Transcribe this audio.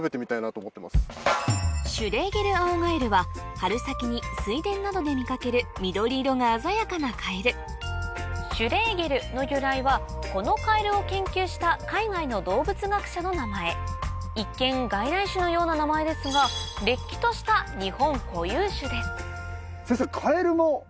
春先に水田などで見かける緑色が鮮やかなカエルシュレーゲルの由来はこのカエルを研究した海外の動物学者の名前一見外来種のような名前ですがれっきとしたはい。